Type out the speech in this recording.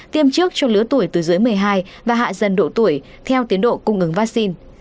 tiêm trước cho lứa tuổi từ dưới một mươi hai và hạ dần độ tuổi theo tiến độ cung ứng vaccine